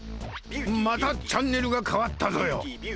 またチャンネルがかわったぞよ。